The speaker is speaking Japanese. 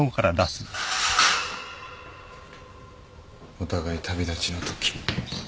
お互い旅立ちのとき。